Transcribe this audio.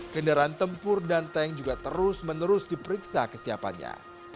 kendaraan tempur dan tank juga terus menerus diperiksa kesiapannya